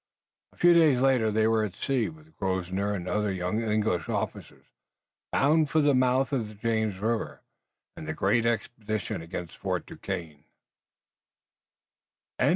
A few days later they were at sea with Grosvenor and other young English officers, bound for the mouth of the James and the great expedition against Fort Duquesne.